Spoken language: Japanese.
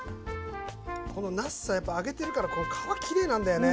このなすさ揚げてるからこの皮きれいなんだよね。